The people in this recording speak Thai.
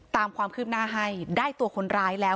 ตามความคืบหน้าให้ได้ตัวคนร้ายแล้ว